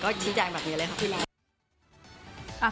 ก็ไม่ว่าไงก็ชี้แจแบบนี้เลยครับ